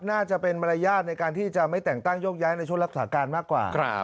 น่าจะเป็นมารยาทในการที่จะไม่แต่งตั้งโยกย้ายในช่วงรักษาการมากกว่า